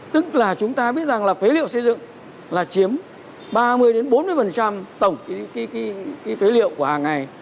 tức là chúng ta biết rằng là phế liệu xây dựng là chiếm ba mươi bốn mươi tổng phế liệu của hàng ngày